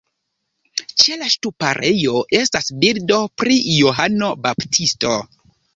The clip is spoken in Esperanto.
Ĉe la ŝtuparejo estas bildo pri Johano Baptisto.